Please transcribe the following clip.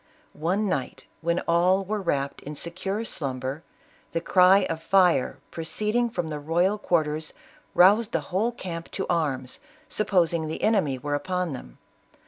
One night, when all were wrapped in secure slumber, the cry of fire proceeding from the royal quar ters, roused the whole camp to arms, supposing the enemy were upon them.